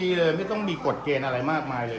มีเลยไม่ต้องมีกฎเกณฑ์อะไรมากมายเลย